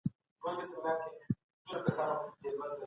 پوهنتون محصلین د کار کولو مساوي حق نه لري.